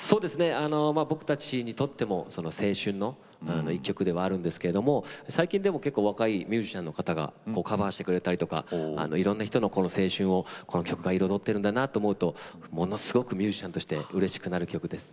僕たちにとっても青春の１曲ではあるんですけど最近でも結構若いミュージシャンの方がカバーしてくれたりとかいろんな人の青春をこの曲が彩ってるんだなと思うとものすごくミュージシャンとしてうれしくなる曲です。